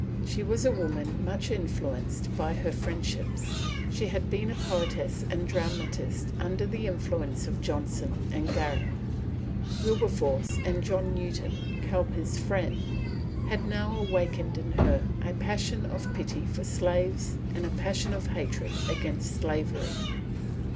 She was a woman much influenced by her friendships. She had been a poetess and dramatist under the influence of Johnson and Garrick; Wilberforce and John Newton (Cowper's friend) had now awakened in her a passion of pity for slaves and a passion of hatred against slavery.